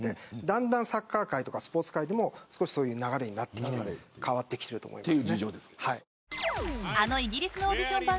だんだんサッカー界やスポーツ界でもそういう流れになってきていると思います。